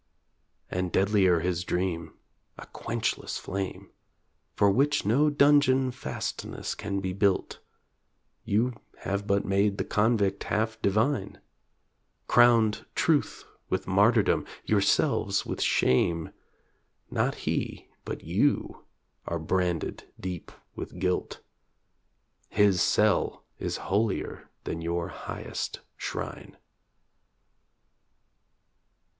And deadlier his dream a quenchless flame, For which no dungeon fastness can be built ... You have but made the convict half divine, Crowned Truth with martyrdom, yourselves with shame; Not he, but you are branded deep with guilt; His cell is holier than your highest shrine.